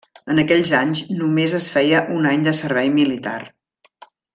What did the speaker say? En aquells anys només es feia un any de servei militar.